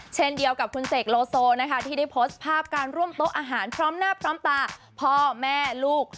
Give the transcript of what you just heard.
เช่นเดียวกับคุณเสกโลโซนะคะที่ได้โพสต์ภาพการร่วมโต๊ะอาหารพร้อมหน้าพร้อมตาพ่อแม่ลูก